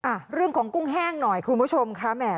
อ่ะเรื่องของกุ้งแห้งหน่อยคุณผู้ชมค่ะแหม